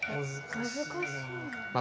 難しいな。